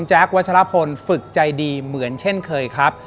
วัชลพลฝึกใจดีเหมือนเช่นเคยครับ